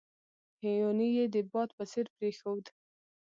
هیوني یې د باد په څېر پرېښود.